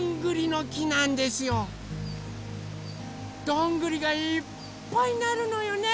どんぐりがいっぱいなるのよね